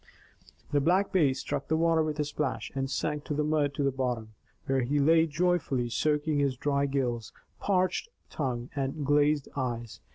The Black Bass struck the water with a splash, and sank to the mud of the bottom, where he lay joyfully soaking his dry gills, parched tongue, and glazed eyes.